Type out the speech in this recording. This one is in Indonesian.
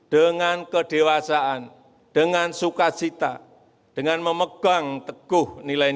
dengan kedewasaan dengan sukarela dan dengan kemampuan